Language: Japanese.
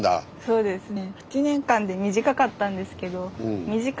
そうですね。